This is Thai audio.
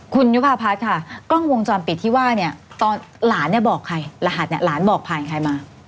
คุณยุภาพัฒน์ค่ะกล้องวงจรปิดที่ว่าเนี่ยตอนหลานเนี่ยบอกใครรหัสเนี่ยหลานบอกผ่านใครมา